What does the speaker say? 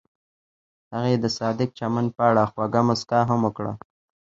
هغې د صادق چمن په اړه خوږه موسکا هم وکړه.